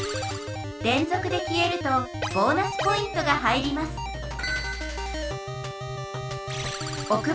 れんぞくで消えるとボーナスポイントが入りますおく